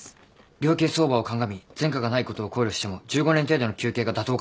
量刑相場を鑑み前科がないことを考慮しても１５年程度の求刑が妥当かと思います。